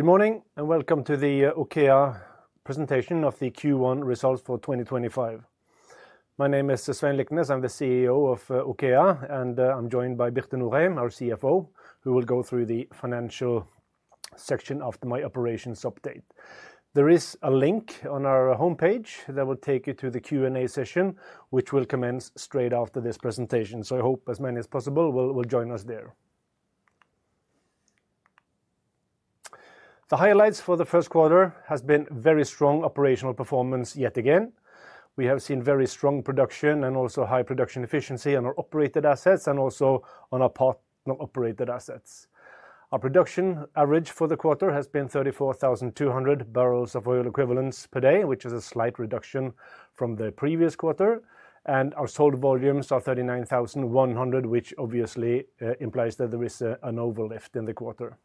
Good morning and welcome to the OKEA presentation of the Q1 results for 2025. My name is Svein Liknes, I'm the CEO of OKEA, and I'm joined by Birte Norheim, our CFO, who will go through the financial section after my operations update. There is a link on our homepage that will take you to the Q&A session, which will commence straight after this presentation. I hope as many as possible will join us there. The highlights for the first quarter have been very strong operational performance yet again. We have seen very strong production and also high production efficiency on our operated assets and also on our partner operated assets. Our production average for the quarter has been 34,200 barrels of oil equivalents per day, which is a slight reduction from the previous quarter. And our sold volumes are 39,100, which obviously implies that there is an overlift in the quarter.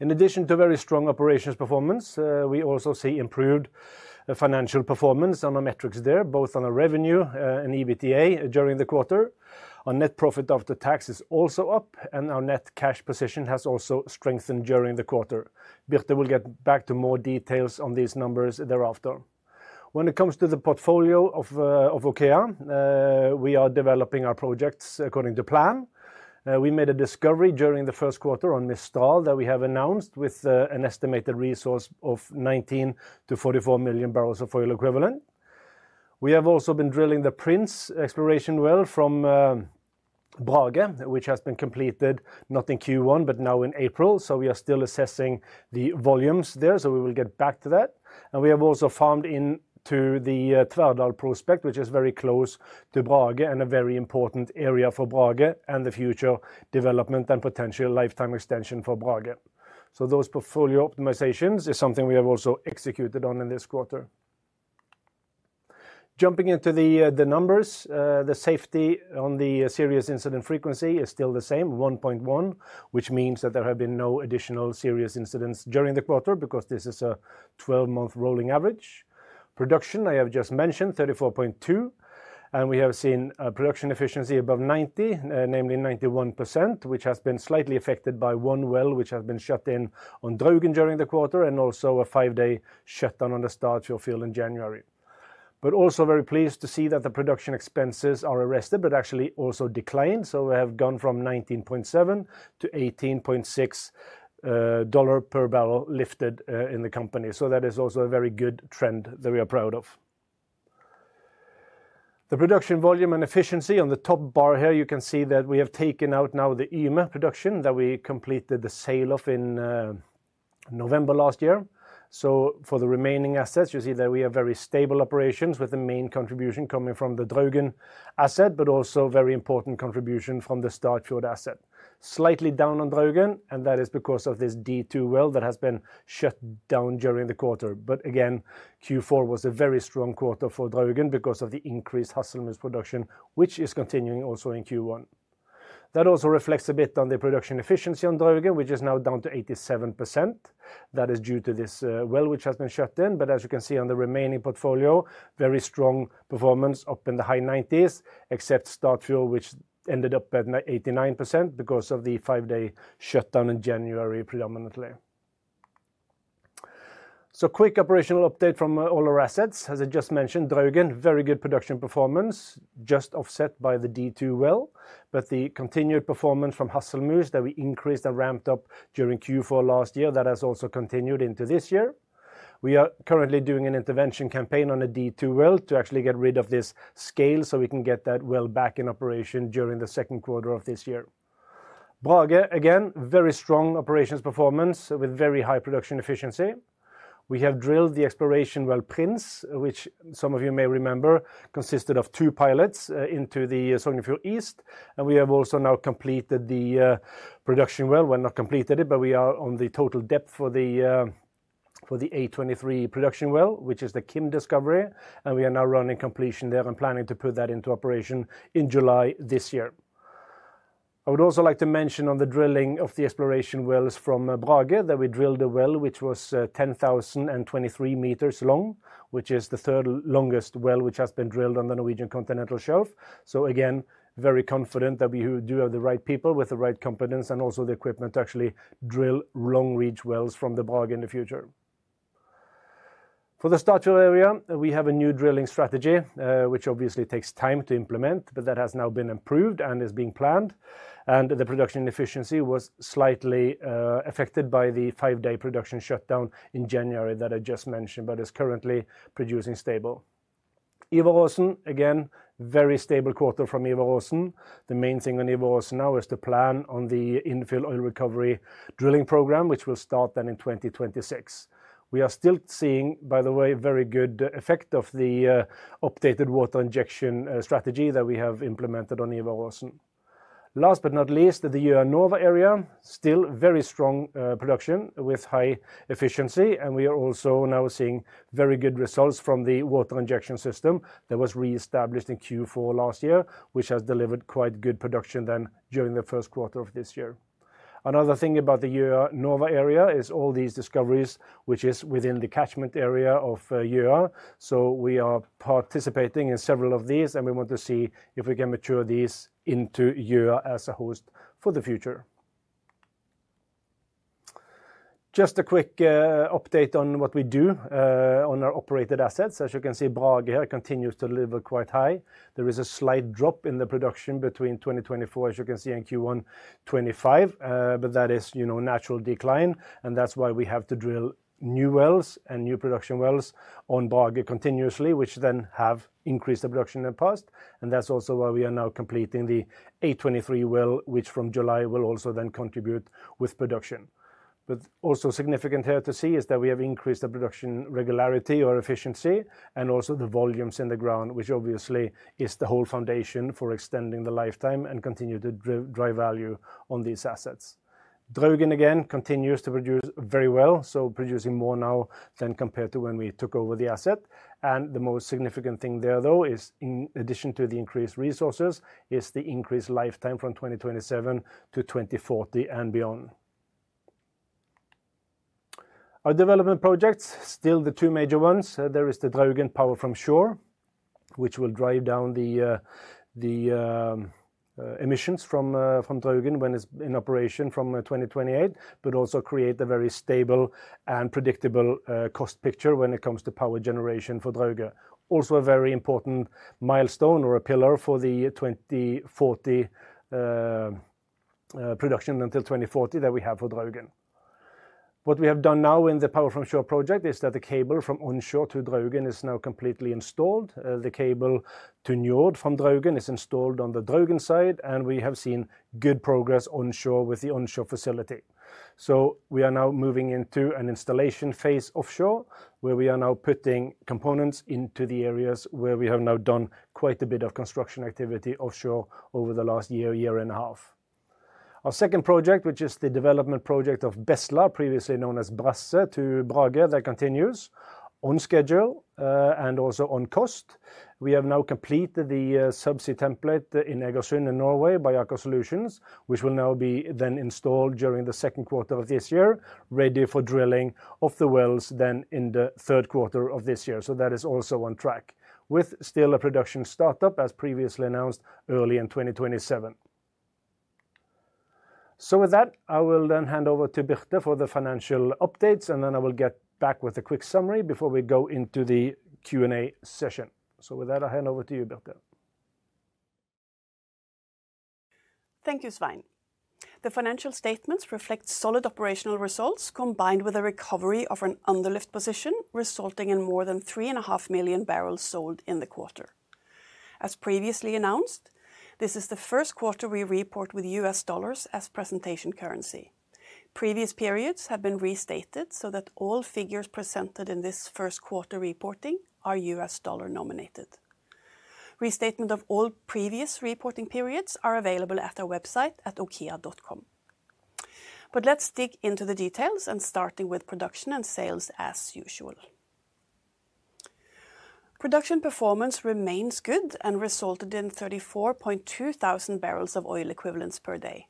In addition to very strong operations performance, we also see improved financial performance on our metrics there, both on our revenue and EBITDA during the quarter. Our net profit after tax is also up, and our net cash position has also strengthened during the quarter. Birte will get back to more details on these numbers thereafter. When it comes to the portfolio of OKEA, we are developing our projects according to plan. We made a discovery during the first quarter on Mistral that we have announced with an estimated resource of 19-44 million barrels of oil equivalent. We have also been drilling the Prince exploration well from Brage, which has been completed not in Q1, but now in April. So we are still assessing the volumes there, so we will get back to that. We have also farmed into the Tverrdal prospect, which is very close to Brage and a very important area for Brage and the future development and potential lifetime extension for Brage. Those portfolio optimizations are something we have also executed on in this quarter. Jumping into the numbers, the safety on the serious incident frequency is still the same, 1.1, which means that there have been no additional serious incidents during the quarter because this is a 12-month rolling average. Production, I have just mentioned, 34.2, and we have seen production efficiency above 90%, namely 91%, which has been slightly affected by one well which has been shut in on Draugen during the quarter and also a five-day shutdown on the Statfjord field in January. But also we are very pleased to see that the production expenses are arrested, but actually also declined. So we have gone from $19.7 to $18.6 per barrel lifted in the company. So that is also a very good trend that we are proud of. The production volume and efficiency on the top bar here, you can see that we have taken out now the Yme productions that we completed the sale of in November last year. For the remaining assets, you see that we have very stable operations with the main contribution coming from the Draugen asset, but also a very important contribution from the Statfjord asset. Slightly down on Draugen, and that is because of this D2 well that has been shut down during the quarter. Again, Q4 was a very strong quarter for Draugen because of the increased Hasselmann's production, which is continuing also in Q1. That also reflects a bit on the production efficiency on Draugen, which is now down to 87%. That is due to this well which has been shut in. As you can see on the remaining portfolio, very strong performance up in the high 90s, except Statfjord, which ended up at 89% because of the five-day shutdown in January predominantly. So quick operational update from all our assets. As I just mentioned, Draugen, very good production performance, just offset by the D2 well, but the continued performance from Hasselmann's that we increased and ramped up during Q4 last year, that has also continued into this year. We are currently doing an intervention campaign on a D2 well to actually get rid of this scale so we can get that well back in operation during the second quarter of this year. Brage, again, very strong operations performance with very high production efficiency. We have drilled the exploration well Prince, which some of you may remember consisted of two pilots into the Sognefjord East. We have also now completed the production well. We're not completed it, but we are on the total depth for the A23 production well, which is the Kim discovery. We are now running completion there and planning to put that into operation in July this year. I would also like to mention on the drilling of the exploration wells from Brage that we drilled a well which was 10,023 meters long, which is the third longest well which has been drilled on the Norwegian Continental Shelf. So again, very confident that we do have the right people with the right competence and also the equipment to actually drill long-reach wells from Brage in the future. For the Statfjord area, we have a new drilling strategy, which obviously takes time to implement, but that has now been improved and is being planned. And the production efficiency was slightly affected by the five-day production shutdown in January that I just mentioned, but is currently producing stable. Ivar Aasen, again, very stable quarter from Ivar Aasen. The main thing on Ivar Aasen now is to plan on the infill oil recovery drilling program, which will start then in 2026. We are still seeing, by the way, very good effect of the updated water injection strategy that we have implemented on Ivar Aasen. Last but not least, the Ula area, still very strong production with high efficiency. We are also now seeing very good results from the water injection system that was reestablished in Q4 last year, which has delivered quite good production then during the first quarter of this year. Another thing about the Nova area is all these discoveries, which is within the catchment area of Nova. We are participating in several of these and we want to see if we can mature these into Nova as a host for the future. Just a quick update on what we do on our operated assets. As you can see, Brage here continues to deliver quite high. There is a slight drop in the production between 2024, as you can see in Q1 2025, but that is, you know, natural decline. That is why we have to drill new wells and new production wells on Brage continuously, which then have increased the production in the past. That is also why we are now completing the A23 well, which from July will also then contribute with production. But also significant here to see is that we have increased the production regularity or efficiency and also the volumes in the ground, which obviously is the whole foundation for extending the lifetime and continuing to drive value on these assets. Draugen again continues to produce very well, so producing more now than compared to when we took over the asset. And the most significant thing there, though, is in addition to the increased resources, the increased lifetime from 2027 to 2040 and beyond. Our development projects, still the two major ones, there is the Draugen Power from Shore, which will drive down the emissions from Draugen when it's in operation from 2028, but also create a very stable and predictable cost picture when it comes to power generation for Draugen. Also a very important milestone or a pillar for the 2040 production until 2040 that we have for Draugen. What we have done now in the Power from Shore project is that the cable from onshore to Draugen is now completely installed. The cable to Njord from Draugen is installed on the Draugen side, and we have seen good progress onshore with the onshore facility. We are now moving into an installation phase offshore, where we are now putting components into the areas where we have now done quite a bit of construction activity offshore over the last year, year and a half. Our second project, which is the development project of Bestla, previously known as Brasse to Brage, that continues on schedule and also on cost. We have now completed the subsea template in Egersund in Norway by Aker Solutions, which will now be then installed during the second quarter of this year, ready for drilling of the wells then in the third quarter of this year. So that is also on track, with still a production startup, as previously announced, early in 2027. So with that, I will then hand over to Birte for the financial updates, and then I will get back with a quick summary before we go into the Q&A session. So with that, I hand over to you, Birte. Thank you, Svein. The financial statements reflect solid operational results combined with a recovery of an underlift position, resulting in more than 3.5 million barrels sold in the quarter. As previously announced, this is the first quarter we report with US dollars as presentation currency. Previous periods have been restated so that all figures presented in this first quarter reporting are US dollar-nominated. Restatement of all previous reporting periods are available at our website at https://www.okea.no. Let's dig into the details and starting with production and sales as usual. Production performance remains good and resulted in 34,200 barrels of oil equivalents per day.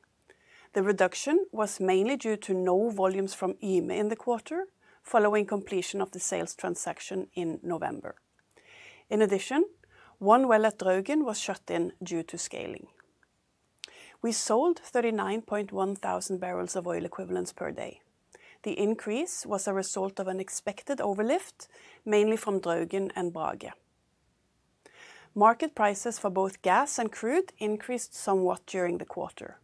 The reduction was mainly due to no volumes from Yme in the quarter following completion of the sales transaction in November. In addition, one well at Draugen was shut in due to scaling. We sold 39,100 barrels of oil equivalents per day. The increase was a result of an expected overlift, mainly from Draugen and Brage. Market prices for both gas and crude increased somewhat during the quarter.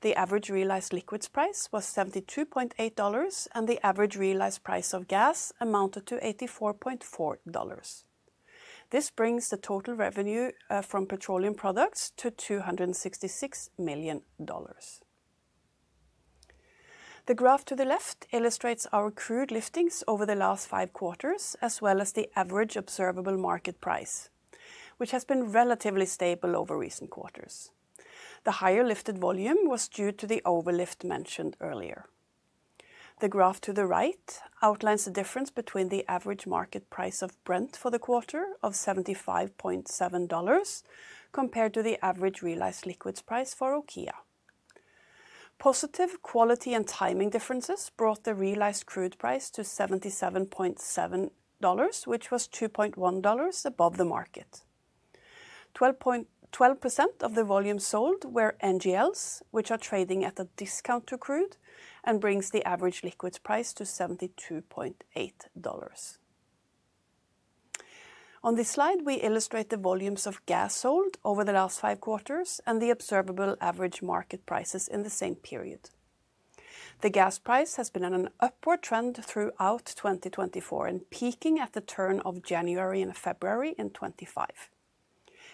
The average realized liquids price was $72.8, and the average realized price of gas amounted to $84.4. This brings the total revenue from petroleum products to $266 million. The graph to the left illustrates our crude liftings over the last five quarters, as well as the average observable market price, which has been relatively stable over recent quarters. The higher lifted volume was due to the overlift mentioned earlier. The graph to the right outlines the difference between the average market price of Brent for the quarter of $75.7 compared to the average realized liquids price for OKEA. Positive quality and timing differences brought the realized crude price to $77.7, which was $2.1 above the market. 12% of the volume sold were NGLs, which are trading at a discount to crude and brings the average liquids price to $72.8. On this slide, we illustrate the volumes of gas sold over the last five quarters and the observable average market prices in the same period. The gas price has been on an upward trend throughout 2024 and peaking at the turn of January and February in 2025.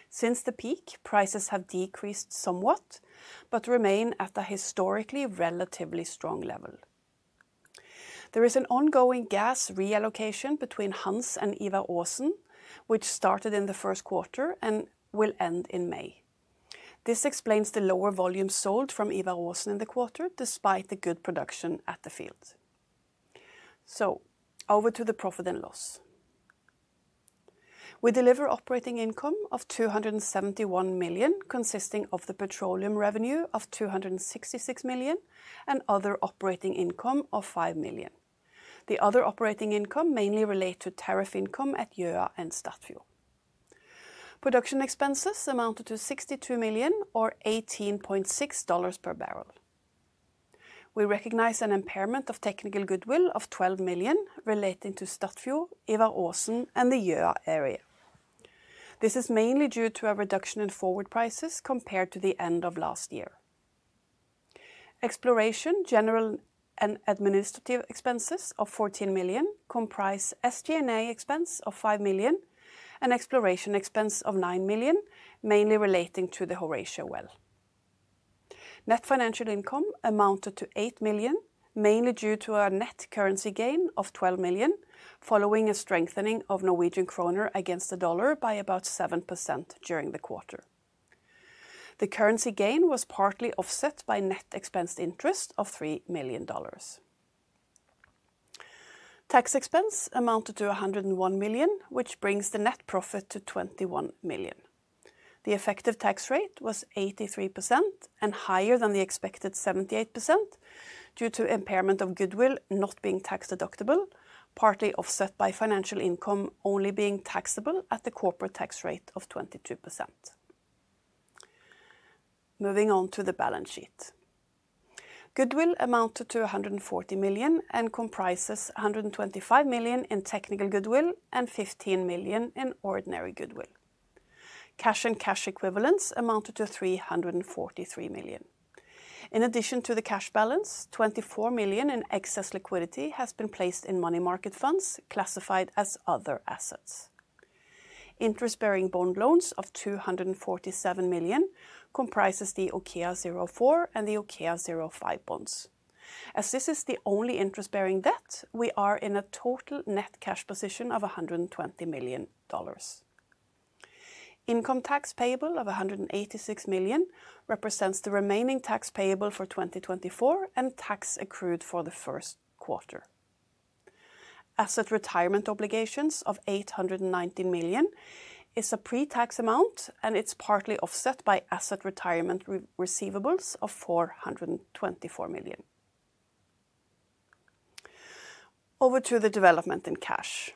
Since the peak, prices have decreased somewhat, but remain at a historically relatively strong level. There is an ongoing gas reallocation between Hans and Ivar Aasen, which started in the first quarter and will end in May. This explains the lower volume sold from Ivar Aasen in the quarter, despite the good production at the field. So over to the profit and loss. We deliver operating income of $271 million, consisting of the petroleum revenue of $266 million and other operating income of $5 million. The other operating income mainly relates to tariff income at Njord and Statfjord. Production expenses amounted to $62 million or $18.6 per barrel. We recognize an impairment of technical goodwill of $12 million relating to Statfjord, Ivar Aasen and the Njord area. This is mainly due to a reduction in forward prices compared to the end of last year. Exploration, general and administrative expenses of $14 million comprise SG&A expense of $5 million and exploration expense of $9 million, mainly relating to the Horatia well. Net financial income amounted to $8 million, mainly due to a net currency gain of $12 million, following a strengthening of Norwegian kroner against the dollar by about 7% during the quarter. The currency gain was partly offset by net expensed interest of $3 million. Tax expense amounted to $101 million, which brings the net profit to $21 million. The effective tax rate was 83% and higher than the expected 78% due to impairment of goodwill not being tax deductible, partly offset by financial income only being taxable at the corporate tax rate of 22%. Moving on to the balance sheet. Goodwill amounted to $140 million and comprises $125 million in technical goodwill and $15 million in ordinary goodwill. Cash and cash equivalents amounted to $343 million. In addition to the cash balance, $24 million in excess liquidity has been placed in money market funds classified as other assets. Interest-bearing bond loans of $247 million comprise the OKEA 04 and the OKEA 05 bonds. As this is the only interest-bearing debt, we are in a total net cash position of $120 million. Income tax payable of $186 million represents the remaining tax payable for 2024 and tax accrued for the first quarter. Asset retirement obligations of $890 million is a pre-tax amount, and it is partly offset by asset retirement receivables of $424 million. Over to the development in cash.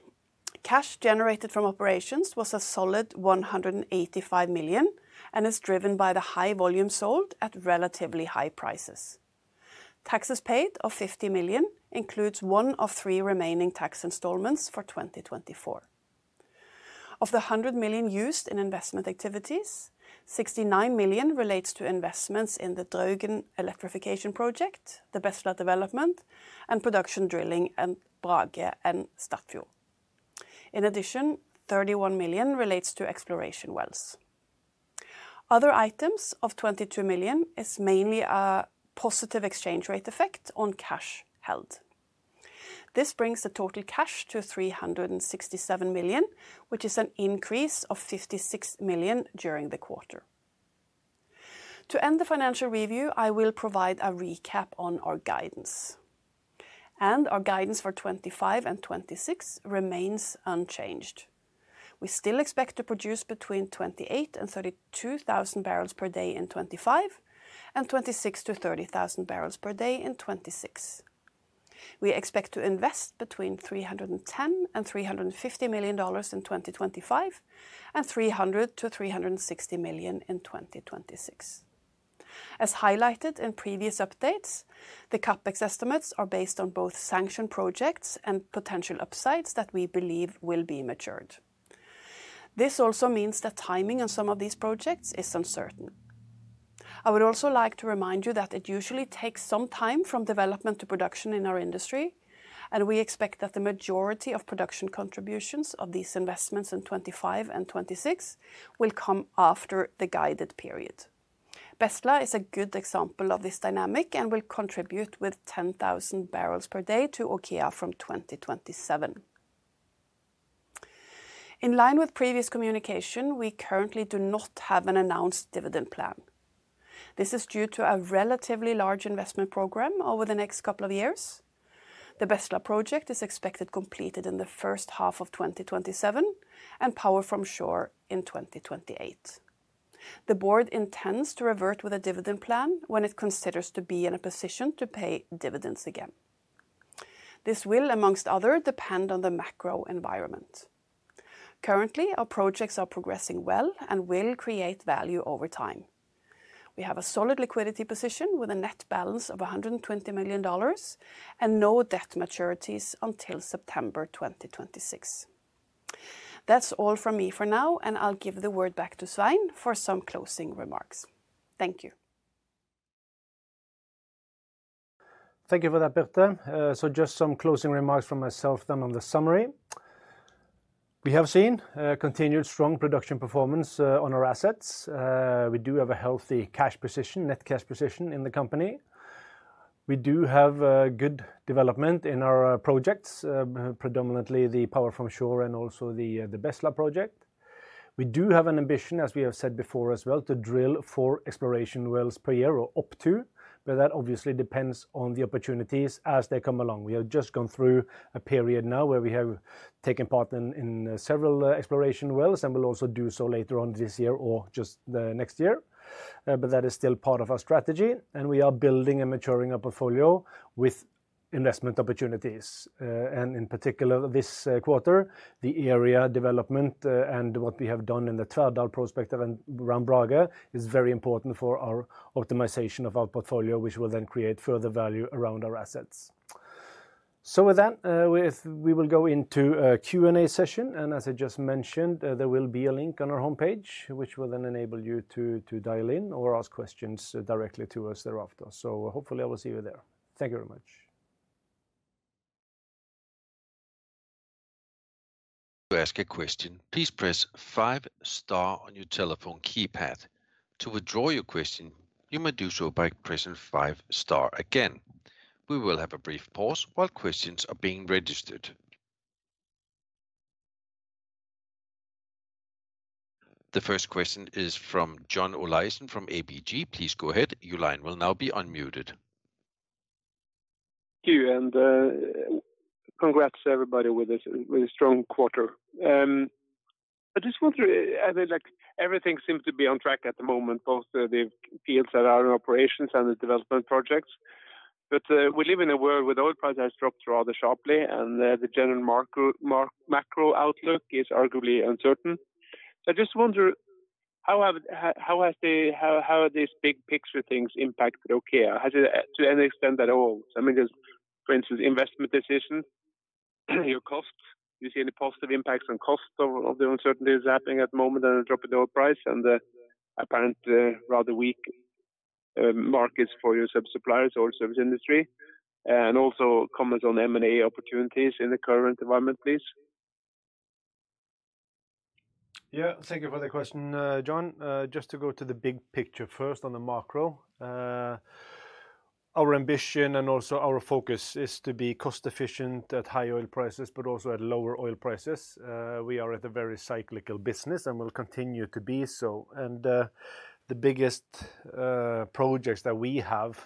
Cash generated from operations was a solid $185 million and is driven by the high volume sold at relatively high prices. Taxes paid of $50 million includes one of three remaining tax installments for 2024. Of the $100 million used in investment activities, $69 million relates to investments in the Draugen electrification project, the Bestla development, and production drilling at Brage and Statfjord. In addition, $31 million relates to exploration wells. Other items of $22 million is mainly a positive exchange rate effect on cash held. This brings the total cash to $367 million, which is an increase of $56 million during the quarter. To end the financial review, I will provide a recap on our guidance. And our guidance for 2025 and 2026 remains unchanged. We still expect to produce between 28,000 and 32,000 barrels per day in 2025 and 26,000 to 30,000 barrels per day in 2026. We expect to invest between $310 million and $350 million in 2025 and $300 million to $360 million in 2026. As highlighted in previous updates, the CapEx estimates are based on both sanctioned projects and potential upsides that we believe will be matured. This also means that timing on some of these projects is uncertain. I would also like to remind you that it usually takes some time from development to production in our industry, and we expect that the majority of production contributions of these investments in 2025 and 2026 will come after the guided period. Bestla is a good example of this dynamic and will contribute with 10,000 barrels per day to OKEA from 2027. In line with previous communication, we currently do not have an announced dividend plan. This is due to a relatively large investment program over the next couple of years. The Bestla project is expected completed in the first half of 2027 and Power from Shore in 2028. The board intends to revert with a dividend plan when it considers to be in a position to pay dividends again. This will, amongst others, depend on the macro environment. Currently, our projects are progressing well and will create value over time. We have a solid liquidity position with a net balance of $120 million and no debt maturities until September 2026. That is all from me for now, and I will give the word back to Svein for some closing remarks. Thank you. Thank you for that, Birte. Just some closing remarks from myself then on the summary. We have seen continued strong production performance on our assets. We do have a healthy cash position, net cash position in the company. We do have good development in our projects, predominantly the Power from Shore and also the Bestla project. We do have an ambition, as we have said before as well, to drill four exploration wells per year or up to, but that obviously depends on the opportunities as they come along. We have just gone through a period now where we have taken part in several exploration wells and will also do so later on this year or just next year. That is still part of our strategy, and we are building and maturing our portfolio with investment opportunities. In particular, this quarter, the area development and what we have done in the Tverrdal prospect around Brage is very important for our optimization of our portfolio, which will then create further value around our assets. So with that, we will go into a Q&A session, and as I just mentioned, there will be a link on our homepage, which will then enable you to dial in or ask questions directly to us thereafter. Hopefully I will see you there. Thank you very much. To ask a question, please press five Star on your telephone keypad. To withdraw your question, you may do so by pressing five Star again. We will have a brief pause while questions are being registered. The first question is from John Olyson from ABG. Please go ahead. Yoline will now be unmuted. Thank you, and congrats to everybody with a strong quarter. I just want to, I think i think like everything seems to be on track at the moment, both the fields that are in operations and the development projects. We live in a world where the oil prices dropped rather sharply, and the general macro outlook is arguably uncertain. I just wonder how how has the how has this big picture things impacted OKEA? Has it, to any extent at all? I mean, for instance, investment decisions, your costs, do you see any positive impacts on costs of the uncertainties happening at the moment and the drop in the oil price and the apparent rather weak markets for your subsuppliers, oil service industry, and also comments on M&A opportunities in the current environment, please? Yeah, thank you for the question, John. Just to go to the big picture first on the macro. Our ambition and also our focus is to be cost efficient at high oil prices, but also at lower oil prices. We are in a very cyclical business and will continue to be so. And the the biggest projects that we have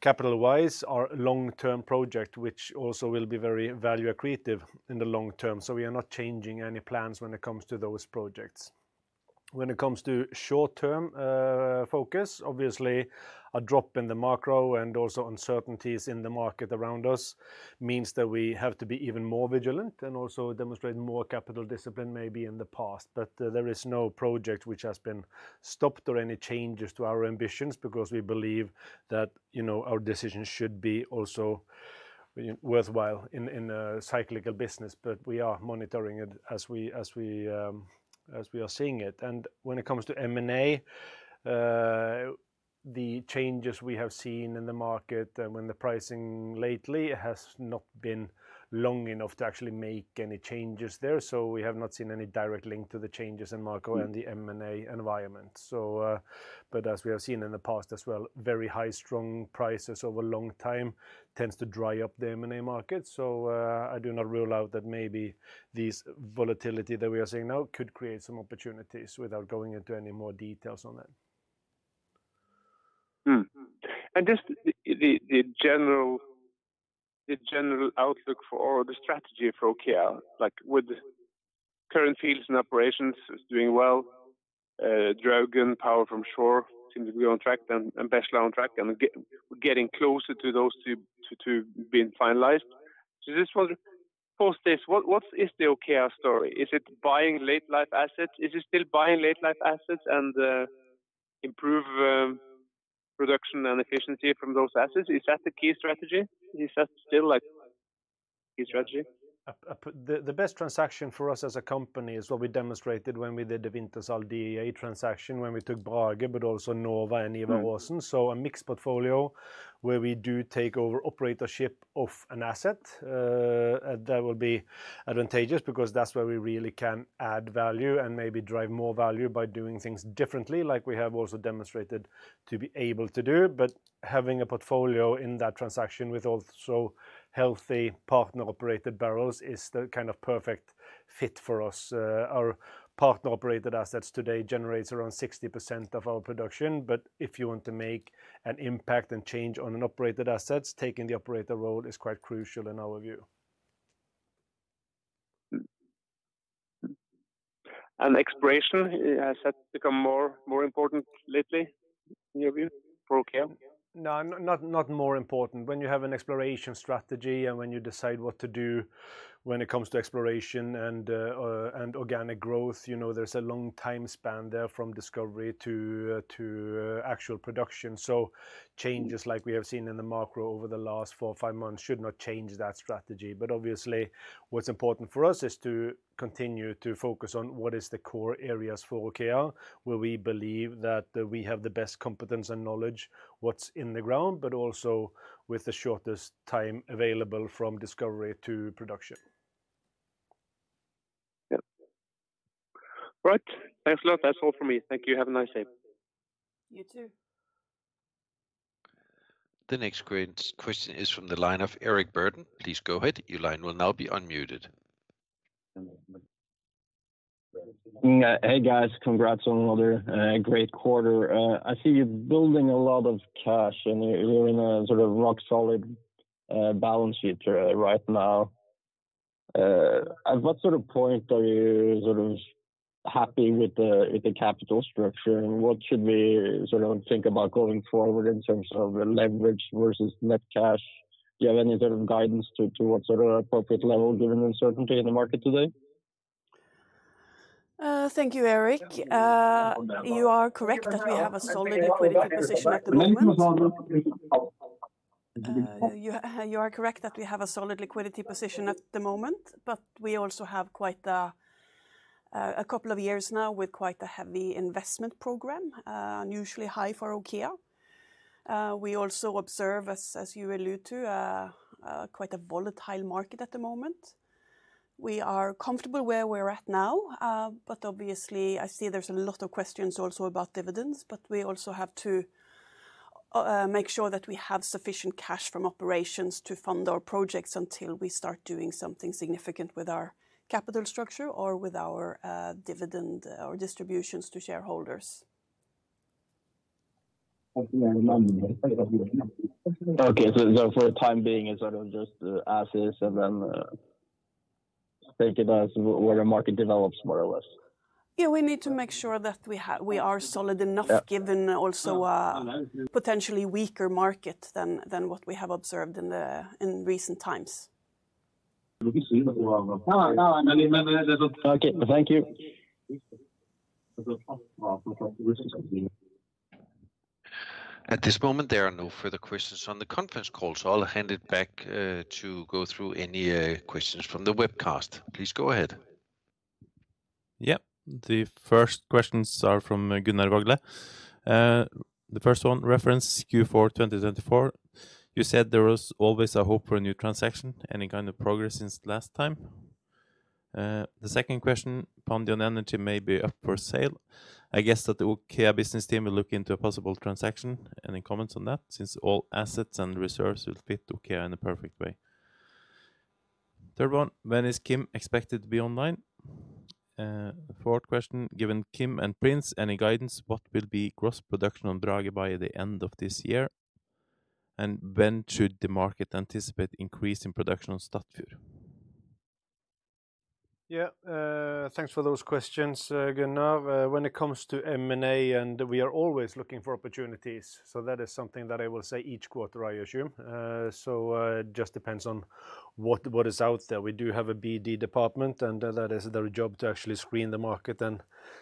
capital-wise are long-term projects, which also will be very value accretive in the long term. We are not changing any plans when it comes to those projects. When it comes to short-term focus, obviously a drop in the macro and also uncertainties in the market around us means that we have to be even more vigilant and also demonstrate more capital discipline maybe than in the past. But there is no project which has been stopped or any changes to our ambitions because we believe that, you know, our decisions should be also worthwhile in a cyclical business. That we are monitoring it as we as we are seeing it. And when it comes to M&A, the the changes we have seen in the market and when the pricing lately has not been long enough to actually make any changes there. So we have not seen any direct link to the changes in macro and the M&A environment. So but as we have seen in the past as well, very high, strong prices over a long time tends to dry up the M&A market. So I do not rule out that maybe this volatility that we are seeing now could create some opportunities without going into any more details on that. And just the the general the general outlook for all the strategy for OKEA, like with current fields and operations is doing well, Draugen, Power from Shore seems to be on track and Bestla on track and getting closer to those to to being finalized. So just want to post this. What what is the OKEA story? Is it buying late-life assets? Is it still buying late-life assets and the improve production and efficiency from those assets? Is that the key strategy? Is that still like the key strategy? The best transaction for us as a company is what we demonstrated when we did the Wintershall Dea transaction when we took Brage, but also Nova and Ivar Aasen. A mixed portfolio where we do take over operatorship of an asset will be advantageous because that is where we really can add value and maybe drive more value by doing things differently like we have also demonstrated to be able to do. But having a portfolio in that transaction with also healthy partner-operated barrels is the kind of perfect fit for us. Our partner-operated assets today generate around 60% of our production. But if you want to make an impact and change on an operated asset, taking the operator role is quite crucial in our view. And exploration, has that become more more important lately in your view for OKEA? No, no not more important. When you have an exploration strategy and when you decide what to do when it comes to exploration and organic growth, you know, there is a long time span there from discovery to to actual production. So changes like we have seen in the macro over the last four or five months should not change that strategy. But obviously, what is important for us is to continue to focus on what is the core areas for OKEA where we believe that we have the best competence and knowledge what is in the ground, but also with the shortest time available from discovery to production. All right, thanks a lot. That's all from me. Thank you. Have a nice day. You too. The next question is from the line of Eric Burden. Please go ahead. Your line will now be unmuted. Hey guys, congrats on another great quarter. I see you're building a lot of cash and you're in a sort of rock solid balance sheet right now. At what sort of point are you sort of happy with the capital structure and what should we sort of think about going forward in terms of leverage versus net cash? Do you have any sort of guidance to what sort of appropriate level given the uncertainty in the market today? Thank you, Eric. You are correct that we have a solid liquidity position at the moment. And you are correct that we have a solid liquidity position at the moment, but we also have quite a couple of years now with quite a heavy investment program, unusually high for OKEA. We also observe, as you alluded to, quite a volatile market at the moment. We are comfortable where we're at now, but obviously I see there's a lot of questions also about dividends. But we also have to make sure that we have sufficient cash from operations to fund our projects until we start doing something significant with our capital structure or with our dividend or distributions to shareholders. Okay, so for the time being it's sort of just assets and then take it as where the market develops more or less. Yeah, we need to make sure that we are solid enough given also a potentially weaker market than what we have observed in recent times. Okay, thank you. At this moment, there are no further questions on the conference call, so I'll hand it back to go through any questions from the webcast. Please go ahead. Yep, the first questions are from Gunnar Vagle. The first one, reference Q4 2024. You said there was always a hope for a new transaction, any kind of progress since last time? The second question, Pantheon Resources may be up for sale. I guess that the OKEA business team will look into a possible transaction. Any comments on that since all assets and reserves will fit OKEA in a perfect way? Third one, when is Kim expected to be online? Fourth question, given Kim and Prince, any guidance, what will be gross production on Brage by the end of this year? And when should the market anticipate increase in production on Statfjord? Yeah, thanks for those questions, Gunnar. When it comes to M&A, and we are always looking for opportunities. So that is something that I will say each quarter, I assume. So it just depends on what what is out there. We do have a BD department, and that is their job to actually screen the market and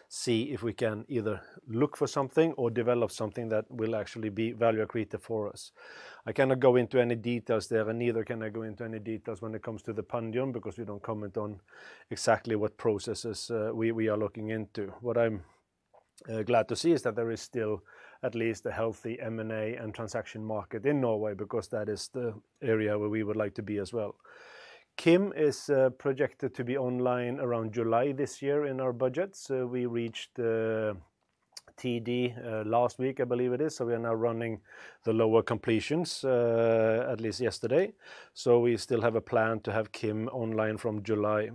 see if we can either look for something or develop something that will actually be value accretive for us. I cannot go into any details there, and neither can I go into any details when it comes to the Pantheon because we do not comment on exactly what processes we we are looking into. What I am glad to see is that there is still at least a healthy M&A and transaction market in Norway because that is the area where we would like to be as well. Kim is projected to be online around July this year in our budgets. We reached TD last week, I believe it is. So we are now running the lower completions, at least yesterday. So we still have a plan to have Kim online from July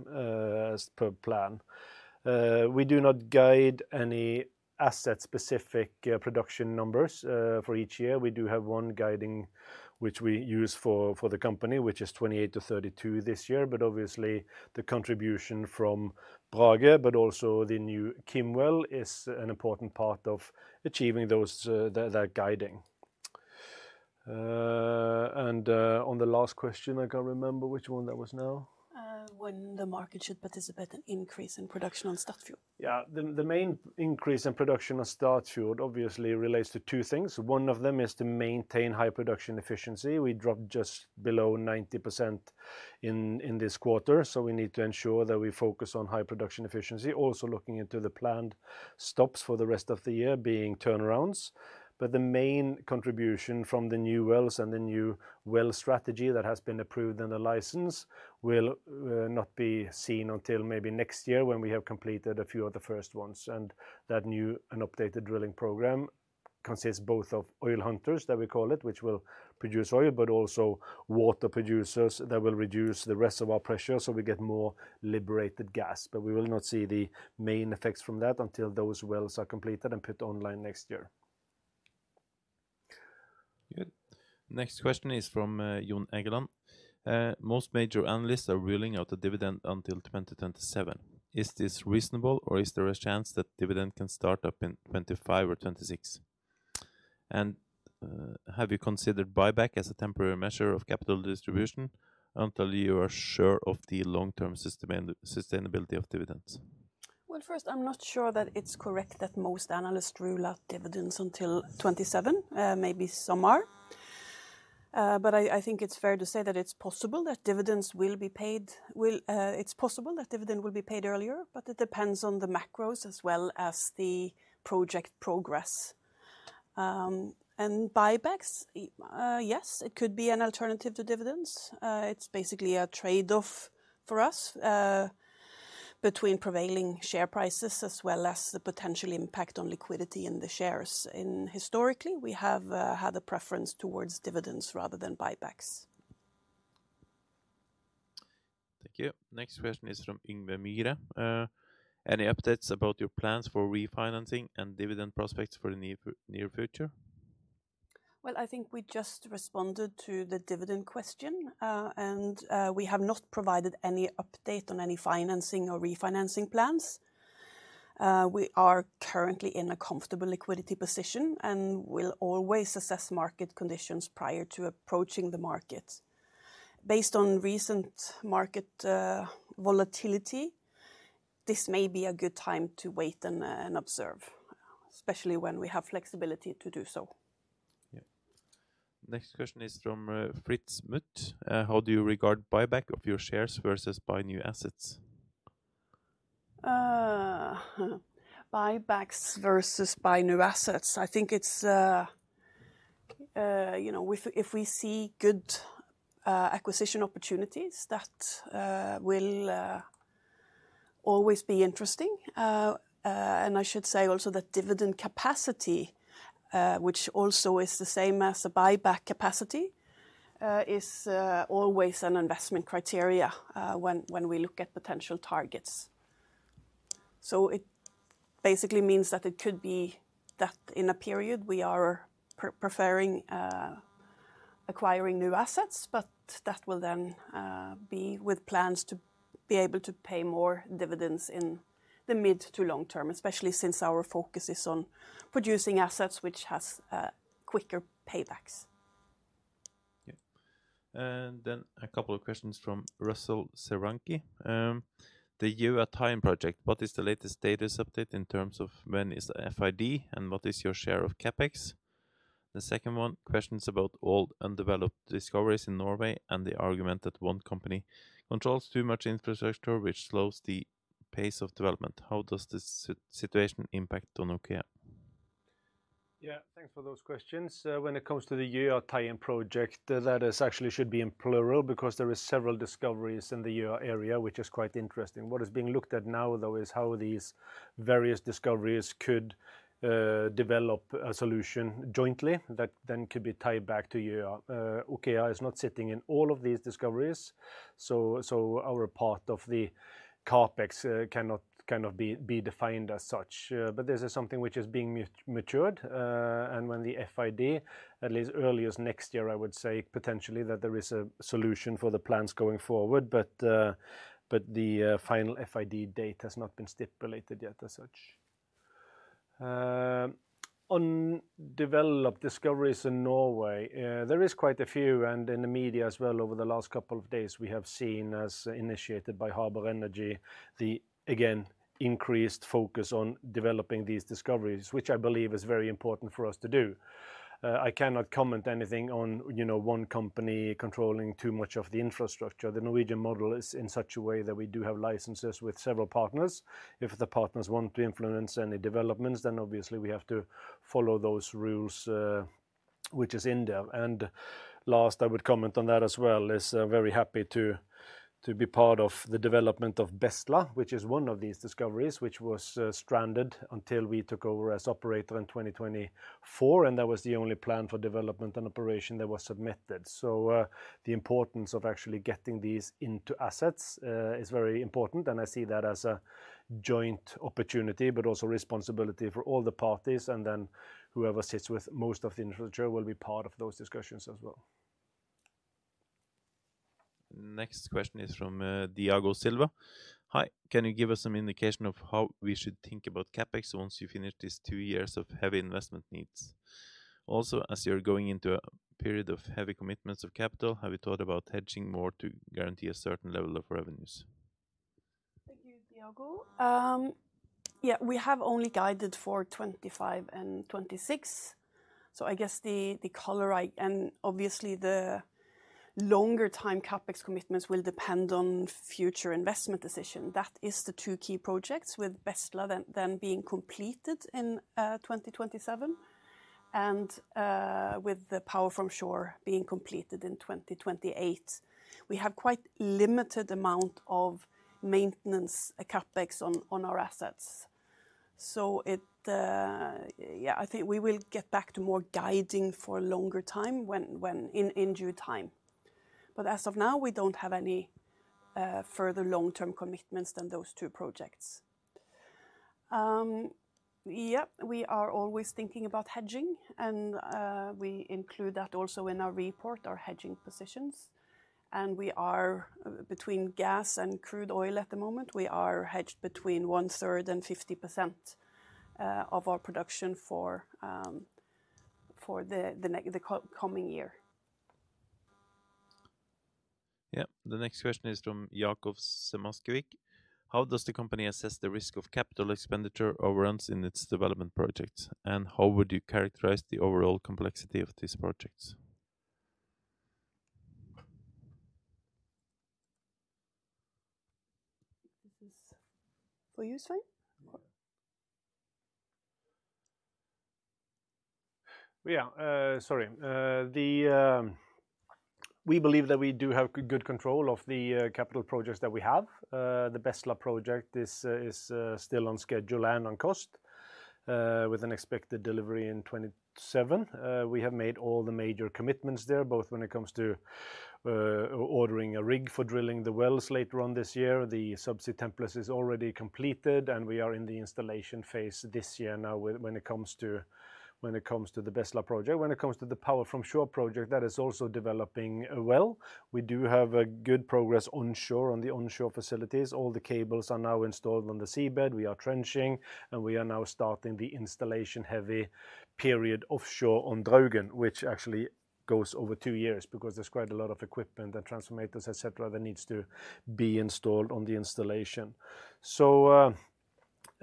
as per plan. We do not guide any asset-specific production numbers for each year. We do have one guiding which we use for the company, which is 28-32 this year. But obviously, the contribution from Brage, but also the new Kim well, is an important part of achieving those that guiding. On the last question, I can't remember which one that was now. When the market should participate in increase in production on Statfjord. Yeah, the main increase in production on Statfjord obviously relates to two things. One of them is to maintain high production efficiency. We dropped just below 90% in in this quarter. So we need to ensure that we focus on high production efficiency. Also looking into the planned stops for the rest of the year being turnarounds. But the main contribution from the new wells and the new well strategy that has been approved and the license will not be seen until maybe next year when we have completed a few of the first ones. And that new and updated drilling program consists both of oil hunters, that we call it, which will produce oil, but also water producers that will reduce the rest of our pressure so we get more liberated gas. But we will not see the main effects from that until those wells are completed and put online next year. Next question is from Jon Egeland. Most major analysts are ruling out a dividend until 2027. Is this reasonable or is there a chance that dividend can start up in 2025 or 2026? And have you considered buyback as a temporary measure of capital distribution until you are sure of the long-term sustainability of dividends? Well first, I'm not sure that it's correct that most analysts rule out dividends until 2027. Maybe some are. But I think it's fair to say that it's possible that dividends will be paid. It's possible that dividend will be paid earlier, but it depends on the macros as well as the project progress. And buybacks, yes, it could be an alternative to dividends. It's basically a trade-off for us between prevailing share prices as well as the potential impact on liquidity in the shares. And historically, we have had a preference towards dividends rather than buybacks. Thank you. Next question is from Yngve Myhre. Any updates about your plans for refinancing and dividend prospects for the near future? Well I think we just responded to the dividend question, and we have not provided any update on any financing or refinancing plans. We are currently in a comfortable liquidity position and will always assess market conditions prior to approaching the market. Based on recent market volatility, this may be a good time to wait and observe, especially when we have flexibility to do so. Next question is from Fritz Mutt. How do you regard buyback of your shares versus buy new assets? Buybacks versus buy new assets. I think it's, you know, if if we see good acquisition opportunities, that will always be interesting. And I should say also that dividend capacity, which also is the same as the buyback capacity, is always an investment criteria when we look at potential targets. So it basically means that it could be that in a period we are preferring acquiring new assets, but that will then be with plans to be able to pay more dividends in the mid to long term, especially since our focus is on producing assets which has quicker paybacks. And a couple of questions from Russell Sarankey. The EUA Time project, what is the latest status update in terms of when is FID and what is your share of CapEx? The second one, questions about old undeveloped discoveries in Norway and the argument that one company controls too much infrastructure, which slows the pace of development. How does this situation impact on OKEA? Yeah, thanks for those questions. When it comes to the EUA Time project, that is actually should be in plural because there are several discoveries in the EUA area, which is quite interesting. What is being looked at now, though, is how these various discoveries should develop a solution jointly that then could be tied back to EUA. OKEA is not sitting in all of these discoveries, so so our part of the CapEx can not can not be be defined as such. But this is something which is being matured. When the FID, at least earliest next year, I would say potentially that there is a solution for the plans going forward, but the but the final FID date has not been stipulated yet as such. On developed discoveries in Norway, there is quite a few, and in the media as well over the last couple of days, we have seen, as initiated by Harbour Energy, the, again, increased focus on developing these discoveries, which I believe is very important for us to do. I cannot comment anything on, you know, one company controlling too much of the infrastructure. The Norwegian model is in such a way that we do have licenses with several partners. If the partners want to influence any developments, then obviously we have to follow those rules, which is in there. Last, I would comment on that as well, is very happy to be part of the development of Bestla, which is one of these discoveries, which was stranded until we took over as operator in 2024. And that was the only plan for development and operation that was submitted. So the importance of actually getting these into assets is very important. And I see that as a joint opportunity, but also responsibility for all the parties. And then whoever sits with most of the infrastructure will be part of those discussions as well. Next question is from Diago Silva. Hi, can you give us some indication of how we should think about CapEx once you finish these two years of heavy investment needs? Also, as you're going into a period of heavy commitments of capital, have you thought about hedging more to guarantee a certain level of revenues? Thank you, Diago. Yeah, we have only guided for 2025 and 2026. So I guess the the color and obviously the longer-term CapEx commitments will depend on future investment decisions. That is the two key projects with Bestla then being completed in 2027 and with the Power from Shore being completed in 2028. We have quite limited amount of maintenance at CapEx on on our assets. So it, yeah, I think we will get back to more guiding for a longer time when when in in due time. But as of now, we do not have any further long-term commitments than those two projects. Yeah, we are always thinking about hedging, and we include that also in our report, our hedging positions. And we are between gas and crude oil at the moment. We are hedged between one-third and 50% of our production for the the coming year. Yeah, the next question is from Jakov Semaikovic. How does the company assess the risk of capital expenditure overruns in its development projects? And how would you characterize the overall complexity of these projects? This is for you, Svein. Yeah, sorry. The we believe that we do have good control of the capital projects that we have. The Bestla project is is still on schedule and on cost with an expected delivery in 2027. We have made all the major commitments there, both when it comes to ordering a rig for drilling the wells later on this year. The subsea template is already completed, and we are in the installation phase this year now when it comes to when it comes to the Bestla project. When it comes to the Power from Shore project, that is also developing well. We do have good progress onshore on the onshore facilities. All the cables are now installed on the seabed. We are trenching, and we are now starting the installation-heavy period offshore on Draugen, which actually goes over two years because there is quite a lot of equipment and transformers, etc., that needs to be installed on the installation. So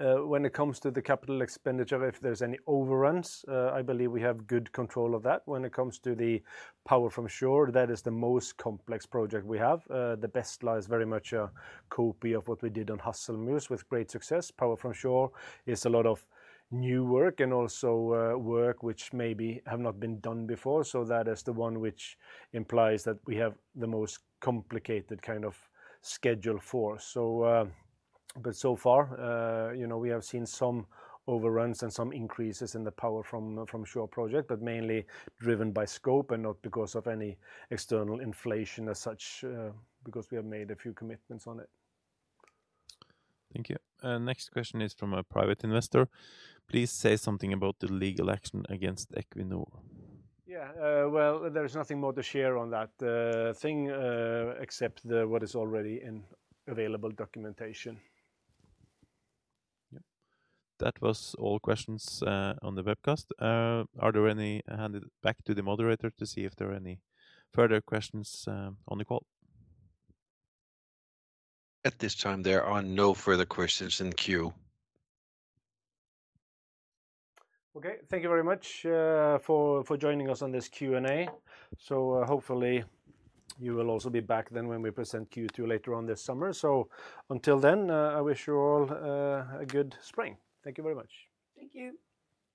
when it comes to the capital expenditure, if there are any overruns, I believe we have good control of that. When it comes to the Power from Shore, that is the most complex project we have. The Bestla is very much a copy of what we did on Hassel Muss with great success. Power from Shore is a lot of new work and also work which maybe have not been done before. So that is the one which implies that we have the most complicated kind of schedule for. So so far, you know, we have seen some overruns and some increases in the Power from Shore project, but mainly driven by scope and not because of any external inflation as such because we have made a few commitments on it. Thank you. Next question is from a private investor. Please say something about the legal action against Equinor. Yeah, well, there's nothing more to share on that thing except what is already in available documentation. That was all questions on the webcast. Are there any? Hand it back to the moderator to see if there are any further questions on the call. At this time, there are no further questions in queue. Okay, thank you very much for for joining us on this Q&A. So hopefully you will also be back then when we present Q2 later on this summer. So until then, I wish you all a good spring. Thank you very much. Thank you.